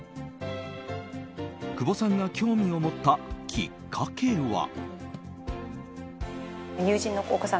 久保さんが興味を持ったきっかけは。